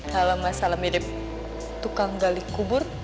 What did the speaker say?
kalau mas salam mirip tukang gali kubur